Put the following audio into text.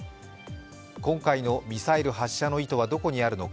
今回のミサイル発射の意図はどこにあるのか。